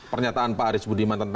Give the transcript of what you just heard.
pernyataan pak arief budiman tentang itu